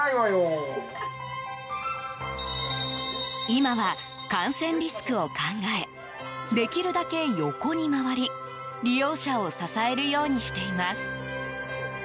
今は、感染リスクを考えできるだけ横に回り利用者を支えるようにしています。